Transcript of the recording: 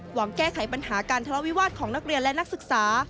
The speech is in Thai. แก้ไขปัญหาการทะเลาวิวาสของนักเรียนและนักศึกษา